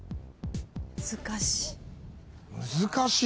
難しい。